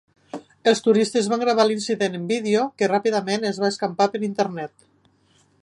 Els turistes van gravar l'incident en vídeo, que ràpidament es va escampar per Internet.